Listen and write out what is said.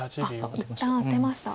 一旦アテました。